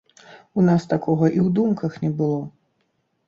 У нас такога і ў думках не было.